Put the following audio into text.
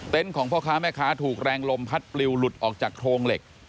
ของพ่อค้าแม่ค้าถูกแรงลมพัดปลิวหลุดออกจากโครงเหล็ก